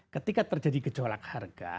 ketika terjadi gejolak harga